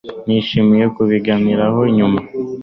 Nishimiye kubiganiraho nyuma